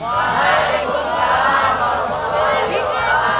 waalaikumsalam warahmatullahi wabarakatuh